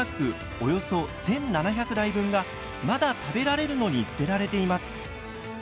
およそ１７００台分がまだ食べられるのに捨てられています。